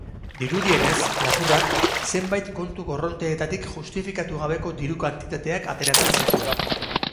Dirudienez, lapurrak, zenbait kontu korronteetatik justifikatu gabeko diru kantitateak ateratzen zituen.